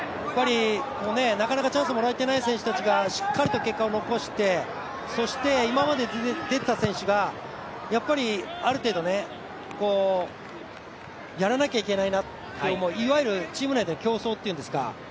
なかなかチャンスをもらえていない選手がしっかり結果を残してそして、今まで出てた選手がある程度やらなきゃいけないなっていわゆる、チーム内で競争っていうんですか。